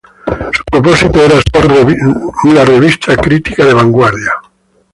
Su propósito era ser una revista crítica de vanguardia.